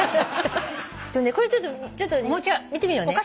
これちょっとね見てみようね。